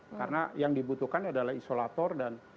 karena yang dibutuhkan adalah isolator dan